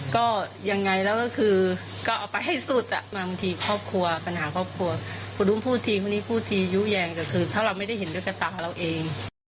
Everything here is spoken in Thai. ก็ยังไงแล้วก็คือก็เอาไปให้สุดอ่ะบางทีครอบครัวปัญหาครอบครัวคุณอุ้มพูดทีคนนี้พูดทียู้แยงแต่คือถ้าเราไม่ได้เห็นด้วยกับตาของเราเอง